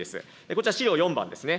こちら、資料４番ですね。